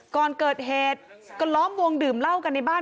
ก่อนเกิดเหตุก็ล้อมวงดื่มเหล้ากันในบ้าน